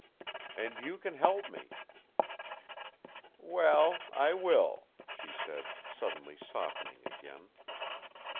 "And you can help me." "Well, I will," she said, suddenly softening again.